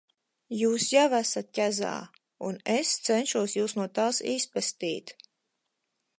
Jūs jau esat ķezā, un es cenšos Jūs no tās izpestīt.